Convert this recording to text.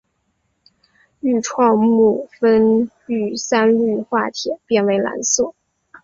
愈创木酚遇三氯化铁变为蓝色。